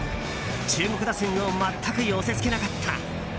中国打線を全く寄せ付けなかった。